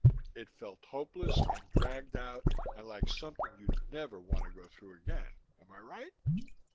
It felt hopeless and dragged out and like something you'd never want to go through again, am I right?